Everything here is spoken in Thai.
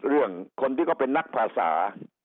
เรื่องคนที่เขาเป็นนักภาษา